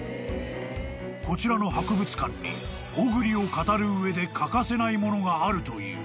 ［こちらの博物館に小栗を語る上で欠かせないものがあるという］